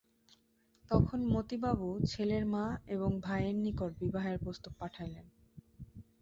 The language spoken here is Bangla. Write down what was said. তখন মতিবাবু ছেলের মা এবং ভাইয়ের নিকট বিবাহের প্রস্তাব পাঠাইলেন।